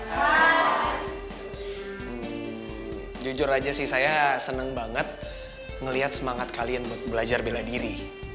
jujur aja sih saya senang banget ngelihat semangat kalian belajar bela diri